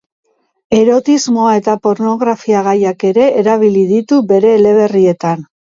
Erotismoa eta pornografia-gaiak ere erabili ditu bere eleberrietan.